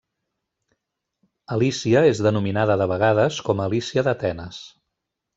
Alícia és denominada de vegades com a Alícia d'Atenes.